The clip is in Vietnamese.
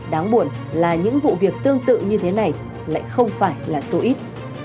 đáng buồn là những vụ việc tương tự như thế này lại không phải là số ít